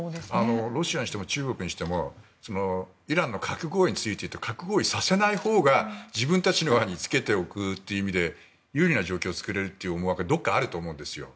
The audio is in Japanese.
ロシアや中国にしてもイランの核合意については核合意させないほうが自分たちの側につけていくということで有利な状況を作れるという思惑がどこかにあるとも思うんです。